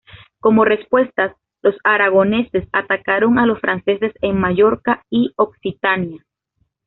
Como respuesta, los aragoneses atacaron a los franceses en Mallorca y Occitania.